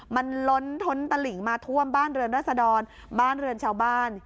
มันล้นท้นตะหลิงมาท่วมบ้านเรือนรัศดรบ้านเรือนชาวบ้าน